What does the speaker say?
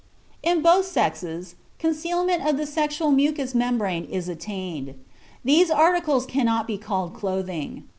In both sexes concealment of the sexual mucous membrane is attained_. These articles cannot be called clothing.